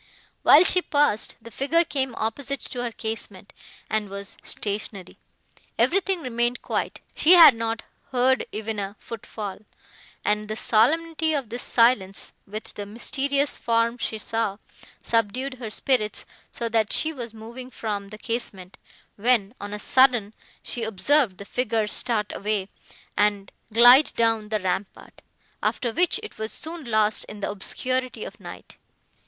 While she paused, the figure came opposite to her casement, and was stationary. Everything remained quiet; she had not heard even a foot fall; and the solemnity of this silence, with the mysterious form she saw, subdued her spirits, so that she was moving from the casement, when, on a sudden, she observed the figure start away, and glide down the rampart, after which it was soon lost in the obscurity of night.